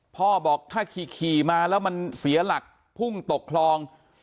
พ่อบอกถ้าขี่มาแล้วมันเสียหลักพุ่งตกคลอง